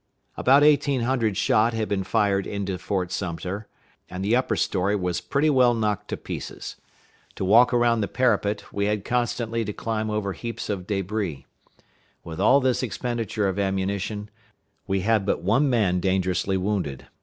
About eighteen hundred shot had been fired into Fort Sumter, and the upper story was pretty well knocked to pieces. To walk around the parapet, we had constantly to climb over heaps of débris. With all this expenditure of ammunition, we had but one man dangerously wounded.